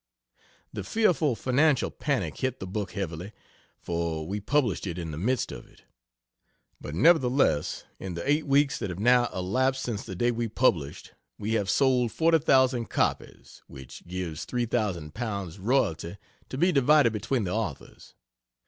The fearful financial panic hit the book heavily, for we published it in the midst of it. But nevertheless in the 8 weeks that have now elapsed since the day we published, we have sold 40,000 copies; which gives L3,000 royalty to be divided between the authors.